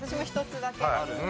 １つだけ。